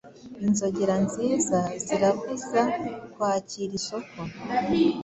Inzogera nziza ziravuza Kwakira isoko;